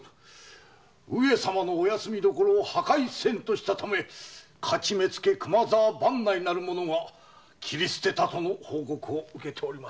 上様のお休み所を破壊せんとしたため徒目付・熊沢伴内なる者が斬り捨てたとの報告を受けております。